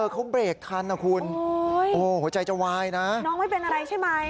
ค่ะโอ้โฮใจจะวายนะน้องไม่เป็นอะไรใช่ไหม